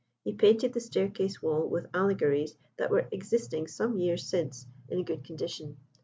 He painted the staircase wall with allegories that were existing some years since in good condition.